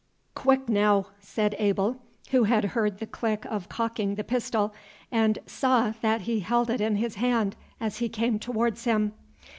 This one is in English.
"Quick, naow!" said Abel, who had heard the click of cocking the pistol, and saw that he held it in his hand, as he came towards him.